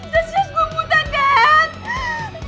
jelas jelas gue buta dad